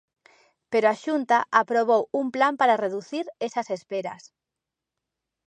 Pero a Xunta aprobou un plan para reducir esas esperas.